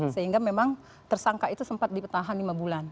sehingga memang tersangka itu sempat dipetahan lima bulan